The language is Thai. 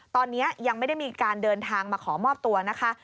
ตอนนี้ยังไม่ได้มีการเดินทางมาขอมอบตัวนะคะ